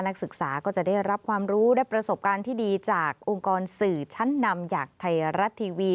นักศึกษาก็จะได้รับความรู้ได้ประสบการณ์ที่ดีจากองค์กรสื่อชั้นนำอย่างไทยรัฐทีวี